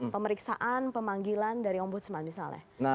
pemeriksaan pemanggilan dari ombudsman misalnya